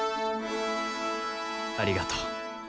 ありがとう。